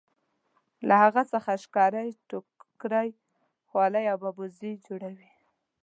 له هغه څخه شکرۍ ټوکرۍ خولۍ او ببوزي جوړوي.